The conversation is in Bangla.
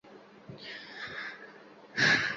বাজে, খুব বাজে।